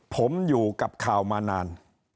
ผมอยู่กับข่าวมานาน